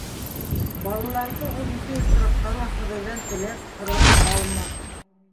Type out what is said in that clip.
Балаларҙы ул ике осраҡта ла хоҙайҙан теләп-һорап алманы.